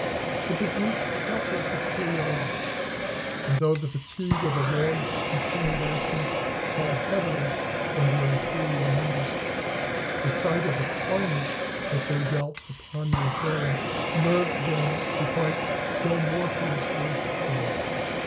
But the Greeks felt their superiority, and though the fatigue of the long continued action told heavily on their inferior numbers, the sight of the carnage that they dealt upon their assailants nerved them to fight still more fiercely on.